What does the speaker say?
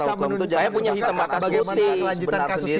saya punya hitam atas bukti